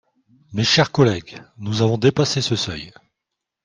Mes chers collègues, nous avons dépassé ce seuil.